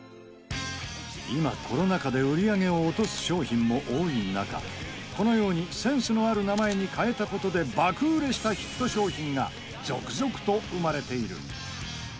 今コロナ禍で売り上げを落とす商品も多い中このようにセンスのある名前に変えた事で爆売れしたヒット商品が続々と生まれている。